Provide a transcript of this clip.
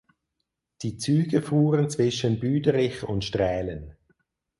Die Züge fuhren zwischen Büderich und Straelen.